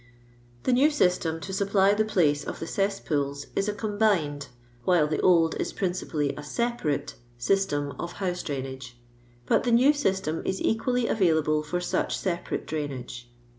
The new system to supply the place of the cesspools is a cuiabinal, while the old is princi pally a it'jiarakt system of house drainage; but the new system is equally available for watk separate drainage.